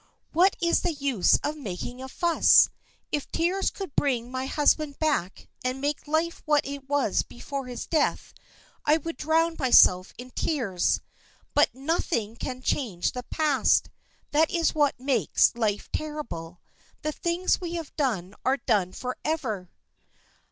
"What is the use of making a fuss? If tears could bring my husband back and make life what it was before his death, I would drown myself in tears. But nothing can change the past. That is what makes life terrible. The things we have done are done for ever."